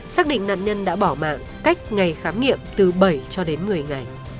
xác định nạn nhân đã bỏ mạng cách ngày khám nghiệm từ bảy cho đến một mươi ngày